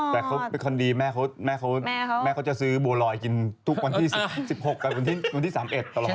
แต่เขาเป็นคนดีแม่เขาจะซื้อบัวลอยกินทุกวันที่๑๖กับวันที่๓๑ตลอด